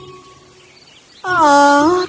kau memang tidak berguna